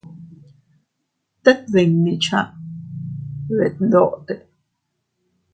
Tet dindi cha detndote.